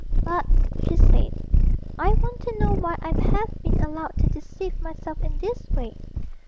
'But,' she said, 'I want to know why I have been allowed to deceive myself in this way.